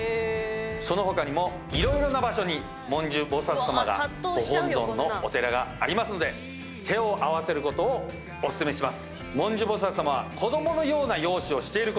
その他にも色々な場所に文殊菩薩様がご本尊のお寺がありますので手を合わせることをお薦めします。